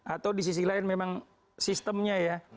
atau di sisi lain memang sistemnya ya